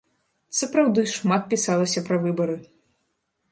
Сапраўды, шмат пісалася пра выбары!